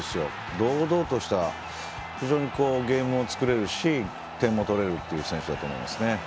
堂々とした非常にゲームを作れるし、点も取れるっていう選手だと思いますね。